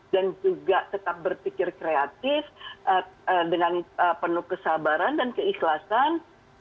dan juga tetap berpikir kreatif dengan penuh kesabaran dan keikhlasan